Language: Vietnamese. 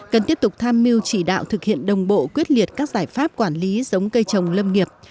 cần tiếp tục tham mưu chỉ đạo thực hiện đồng bộ quyết liệt các giải pháp quản lý giống cây trồng lâm nghiệp